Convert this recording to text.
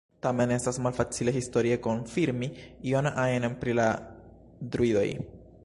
Tamen estas malfacile historie konfirmi ion ajn pri la Druidoj.